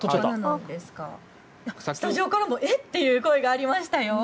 スタジオからもえっという声がありましたよ。